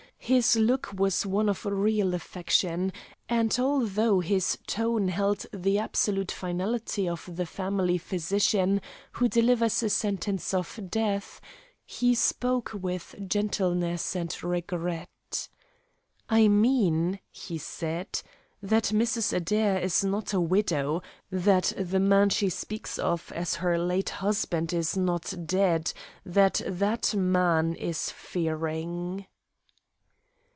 His look was one of real affection, and, although his tone held the absolute finality of the family physician who delivers a sentence of death, he spoke with gentleness and regret. "I mean," he said, "that Mrs. Adair is not a widow, that the man she speaks of as her late husband is not dead; that that man is Fearing!"